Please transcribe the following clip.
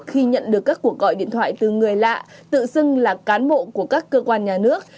khi nhận được các cuộc gọi điện thoại từ người lạ tự xưng là cán bộ của các cơ quan nhà nước